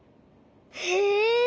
へえ。